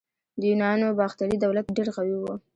د یونانو باختري دولت ډیر قوي و